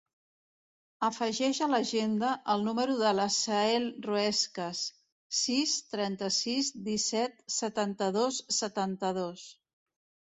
Afegeix a l'agenda el número de l'Aseel Ruescas: sis, trenta-sis, disset, setanta-dos, setanta-dos.